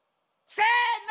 せの！